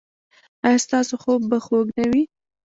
ایا ستاسو خوب به خوږ نه وي؟